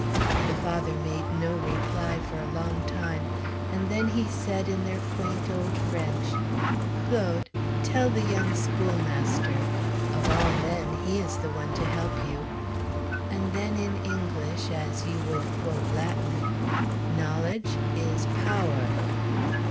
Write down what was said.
The father made no reply for a long time, and then he said in their quaint old French: "Claude, tell the young schoolmaster. Of all men, he is the one to help you." And then in English, as you would quote Latin, "Knowledge is power!"